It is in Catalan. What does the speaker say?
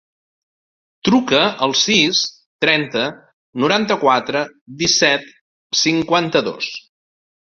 Truca al sis, trenta, noranta-quatre, disset, cinquanta-dos.